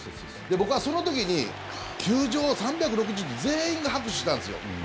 僕はその時に球場３６０度全員が拍手してたんですよ。